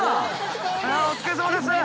お疲れさまです。